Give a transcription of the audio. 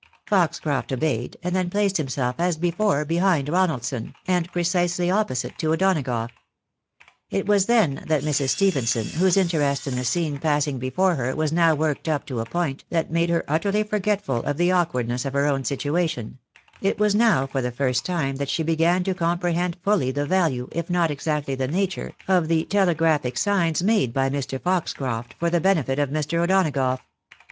Foxcroft obeyed, and then placed liimself, as before, behind Ronaldson, and precisely opposite to O'Donagough. It was then that Mrs. Stephenson, whose interest in the scene passing be fore her was now worked up to a point that made her utterly forgetful of the awkwardness of her own situation — it was now for the first time that she began to comprehend fully the value, if not exactly the nature, of the telegraphic signs made by Mr. Foxcroft for the benefit of Mr. O'Donagough.